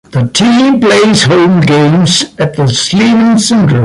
The team plays home games at the Sleeman Centre.